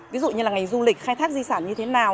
ví dụ như là ngành du lịch khai thác di sản như thế nào